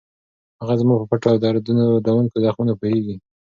هغه زما په پټو او دردوونکو زخمونو پوهېږي.